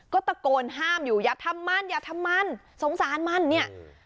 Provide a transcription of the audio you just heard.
ก็ตะโกนห้ามอยู่อย่าทำมันอย่าทำมันสงสารมันเนี่ย